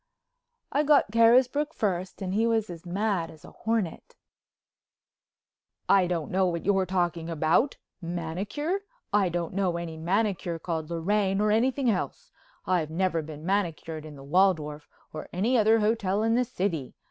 I got Carisbrook first and he was as mad as a hornet. "I don't know what you're talking about. Manicure? I don't know any manicure called Lorraine or anything else. I've never been manicured in the Waldorf—or any other hotel—in the city.